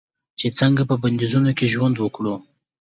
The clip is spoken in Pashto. چې څنګه په بندیزونو کې ژوند وکړو.